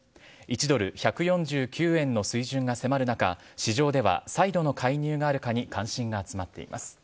１ドル１４９円の水準が迫る中、市場では再度の介入があるかに関心が集まっています。